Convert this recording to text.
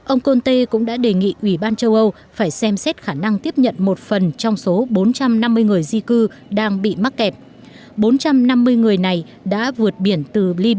ông conte cũng đã đề nghị ủy ban châu âu phải xem xét khả năng tiếp nhận một phần trong số bốn trăm năm mươi người di cư đang bị mắc kẹt